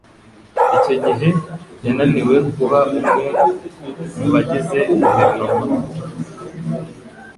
Icyo gihe yananiwe kuba umwe mu bagize guverinoma.